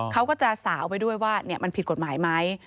เขาก็จะสาวไปด้วยว่ามันผิดกฎหมายไหม